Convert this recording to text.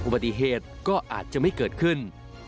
อุบัติเหตุก็อาจจะไม่เกิดขึ้น